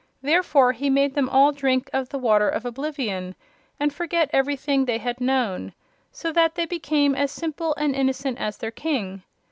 Therefore, he made them all drink of the Water of Oblivion and forget everything they had known, so that they became as simple and innocent as their King.